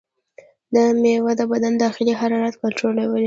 دا میوه د بدن د داخلي حرارت کنټرولوي.